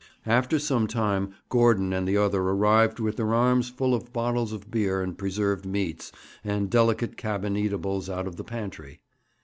After some time, Gordon and the other arrived with their arms full of bottles of beer and preserved meats, and delicate cabin eatables out of the pantry.